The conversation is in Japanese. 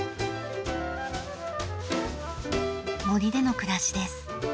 森での暮らしです。